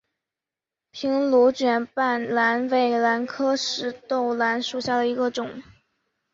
瓶壶卷瓣兰为兰科石豆兰属下的一个种。